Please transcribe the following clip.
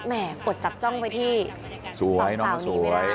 แหม่กดจับจ้องไปที่สองสาวนี้ไม่ได้